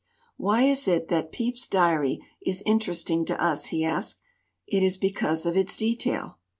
"Why is it that Pepys's Diary is interesting to us?" he asked. "It is because of its detail.